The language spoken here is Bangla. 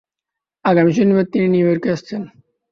আগামী শনিবার তিনি নিউ ইয়র্কে আসছেন।